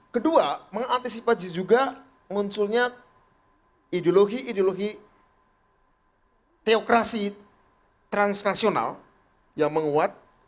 kedua mengantisipasi juga munculnya ideologi ideologi teokrasi transnasional yang menguat